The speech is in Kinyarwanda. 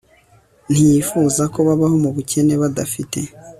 Ntiyifuza ko babaho mu bukene badafite